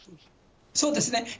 そうですね。